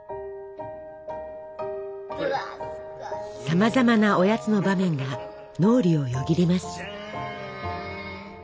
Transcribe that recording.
さまざまなおやつの場面が脳裏をよぎります。